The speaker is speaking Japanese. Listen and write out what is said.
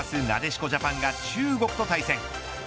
なでしこジャパンが中国と対戦。